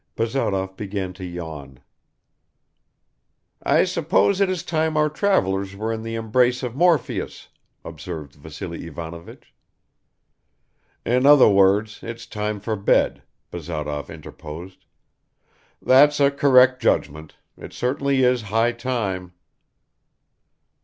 Bazarov began to yawn. "I suppose it is time our travelers were in the embrace of Morpheus," observed Vassily Ivanovich. "In other words, it's time for bed," Bazarov interposed. "That's a correct judgment; it certainly is high time!"